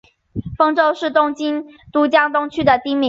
丰洲是东京都江东区的町名。